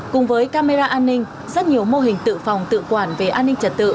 cùng với camera an ninh rất nhiều mô hình tự phòng tự quản về an ninh trật tự